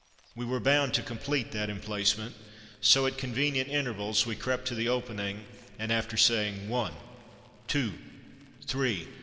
We were bound to complete that emplacement, so, at convenient intervals, we crept to the opening, and after saying "one, two, three!"